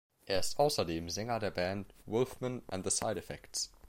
Er ist außerdem Sänger der Band "Wolfman and the Side-Effects".